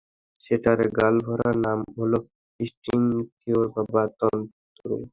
সেটার গালভরা নাম হলো স্ট্রিং থিওরি বা তন্তু তত্ত্ব।